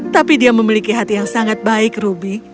tapi dia memiliki hati yang sangat baik ruby